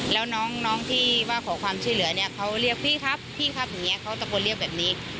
แล้วน้องที่ว่าขอความช่วยเหลือเนี่ยเขาเรียกพี่ครับพี่ครับอย่างนี้เขาตะโกนเรียกแบบนี้